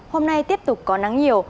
hôm nay tiếp tục có nắng nhiều